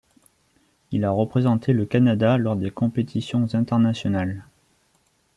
Il a représenté le Canada lors des compétitions internationales.